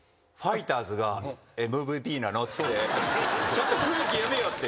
ちょっと空気読めよって。